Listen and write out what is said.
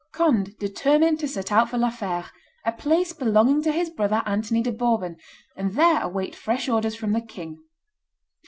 Conde determined to set out for La Fere, a place belonging to his brother Anthony de Bourbon, and there await fresh orders from the king.